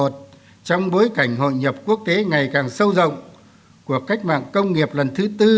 trong bối cảnh hội nhập quốc tế ngày càng sâu rộng của cách mạng công nghiệp lần thứ tư